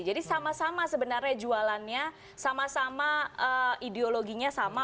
jadi sama sama sebenarnya jualannya sama sama ideologinya sama